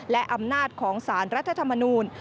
และอำนาจของสารรัฐธรรมนูล